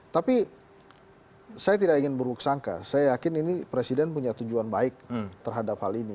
tapi saya tidak ingin berbuk sangka saya yakin ini presiden punya tujuan baik terhadap hal ini